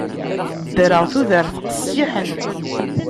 Ddreɣ tudert qessiḥen.